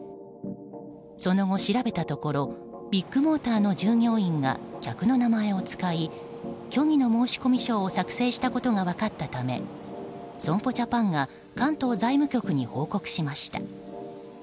その後、調べたところビッグモーターの従業員が客の名前を使い虚偽の申込書を作成したことが分かったため損保ジャパンが関東財務局に報告しました。